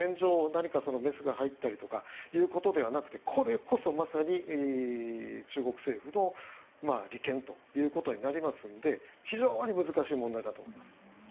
何かメスが入ったりということではなくてこれこそまさに中国政府の利権ということになりますので非常に難しい問題だと思います。